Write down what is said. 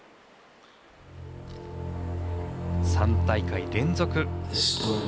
３大会連続出場